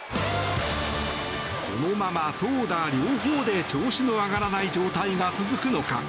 このまま投打両方で調子の上がらない状態が続くのか？